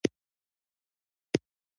خان زمان وویل: مینه راسره لرې؟